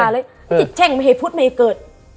ลดเล็กช่างไม่ฟุตไม่ให้เกิด